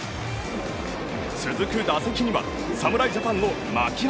続く打席には侍ジャパンの牧原。